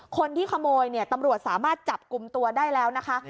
คนที่ขโมยเนี่ยตำรวจสามารถจับกลุ่มตัวได้แล้วนะคะ